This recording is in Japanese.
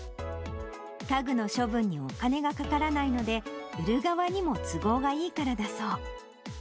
家具の処分にお金がかからないので、売る側にも都合がいいからだそう。